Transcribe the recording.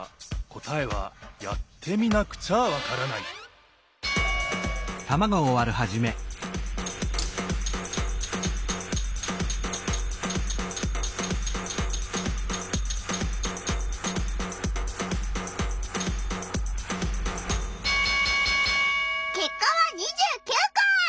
答えはやってみなくちゃわからないけっかは２９こ！